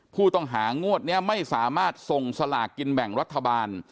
ผู้ต้องหางวดนี้ไม่สามารถส่งสลากกินแบ่งรัฐบาล